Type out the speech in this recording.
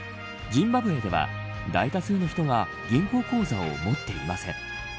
ジンバブエでは大多数の人が銀行口座を持っていません。